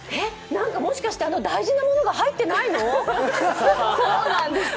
もしかしてあの大事なものが入ってないの！？